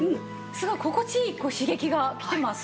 すごい心地いい刺激がきています。